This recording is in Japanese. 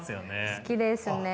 好きですね。